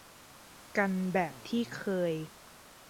กันแบบที่เคย